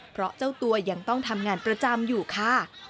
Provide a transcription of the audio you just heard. เพราะเจ้าตัวยังต้องทำงานประจำอยู่ค่ะ